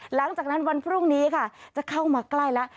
หลังจากนั้นวันพรุ่งนี้ค่ะจะเข้ามาใกล้แล้ว